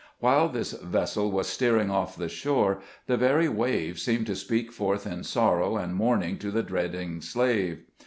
While this vessel was steering off the shore, the very waves seemed to speak forth in sorrow and mourning to the dreading slave.